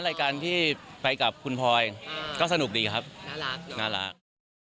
รายการที่ไปกับคุณพลอยก็สนุกดีครับน่ารักน่ารัก